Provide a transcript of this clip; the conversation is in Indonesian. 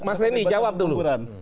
mas reni jawab dulu